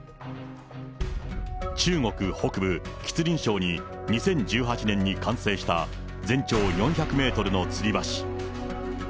中国北部、吉林省に２０１８年に完成した全長４００メートルのつり橋。